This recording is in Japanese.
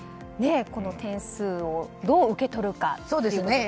この点数をどう受け取るかということですね。